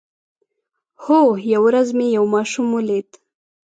هو، یوه ورځ مې یو ماشوم ولید